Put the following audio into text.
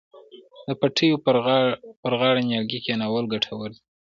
د پټیو پر غاړه نیالګي کینول ګټور دي.